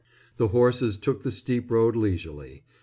The horses took the steep road leisurely.